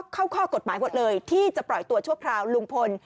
ข้อกฎหมายหมดเลยที่จะปล่อยตัวชั่วคราวลุงพล